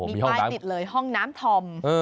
มีป้ายติดเลยห้องน้ำธอม